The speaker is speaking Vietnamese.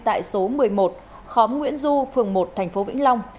tại số một mươi một khóm nguyễn du phường một tp vĩnh long